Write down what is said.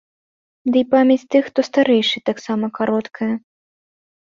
Дый памяць тых, хто старэйшы, таксама кароткая.